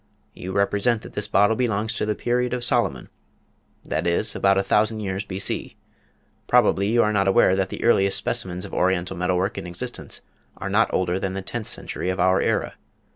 You represent that this bottle belongs to the period of Solomon that is, about a thousand years B.C. Probably you are not aware that the earliest specimens of Oriental metal work in existence are not older than the tenth century of our era.